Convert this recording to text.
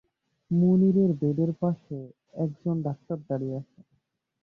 মুনিরের বেডের পাশে এক জন ডাক্তার দাঁড়িয়ে আছেন।